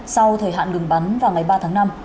sau thời hạn ngừng bắn vào ngày ba tháng năm